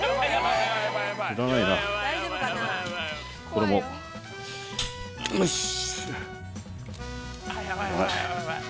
これも。よし。